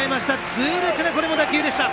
痛烈な打球でした。